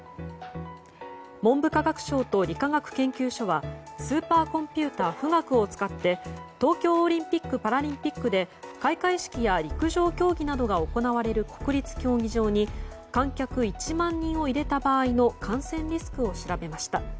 文部科学省と理化学研究所はスーパーコンピュータ「富岳」を使って東京オリンピック・パラリンピックで、開会式や陸上競技などが行われる国立競技場に観客１万人を入れた場合の感染リスクを調べました。